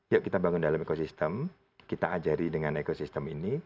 yuk kita bangun dalam ekosistem kita ajari dengan ekosistem ini